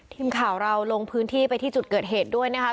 ทีมข่าวเราลงพื้นที่ไปที่จุดเกิดเหตุด้วยนะคะ